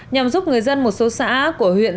nhằm giúp người dân một số sản phẩm